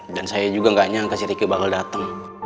dan saya juga gak nyangka si riki bakal dateng